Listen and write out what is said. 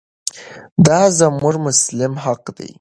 دا زموږ مسلم حق دی.